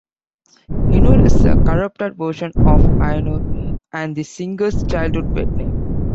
Inul is a corrupted version of Ainur, and the singer's childhood pet name.